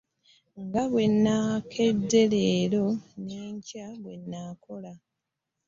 Nga bwe nakedde leero n'enkya bwe nnaakola.